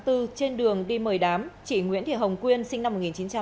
trên đường đi mời đám chị nguyễn thị hồng quyên sinh năm một nghìn chín trăm bảy mươi tám